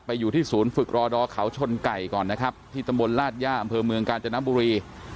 อยู่ที่ศูนย์ฝึกรอดอเขาชนไก่ก่อนนะครับที่ตำบลลาดย่าอำเภอเมืองกาญจนบุรี